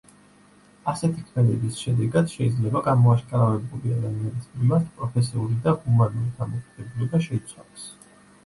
ასეთი ქმედების შედეგად შეიძლება გამოაშკარავებული ადამიანის მიმართ პროფესიული და ჰუმანური დამოკიდებულება შეიცვალოს.